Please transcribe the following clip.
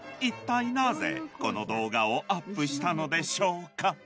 ［いったいなぜこの動画をアップしたのでしょうか］